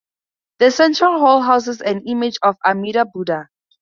The central hall houses an image of Amida Buddha.